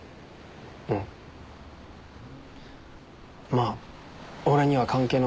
まあ俺には関係のない話だけど。